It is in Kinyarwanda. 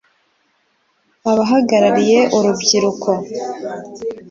abahagarariye urubyiruko